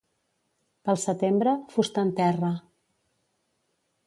Pel setembre, fusta en terra.